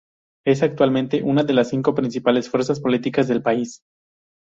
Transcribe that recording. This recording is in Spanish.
Es actualmente una de las cinco principales fuerzas políticas del país.